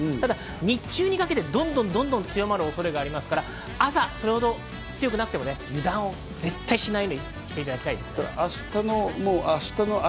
日中にかけてどんどん強まる恐れがありますから、朝それほど強くなくても油断を絶対しないようにしていただきたいです。